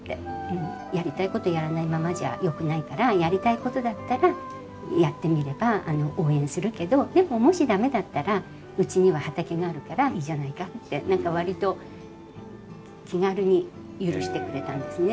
やりたいことやらないままじゃよくないからやりたいことだったらやってみれば応援するけどでももし駄目だったらうちには畑があるからいいじゃないかって何か割と気軽に許してくれたんですね。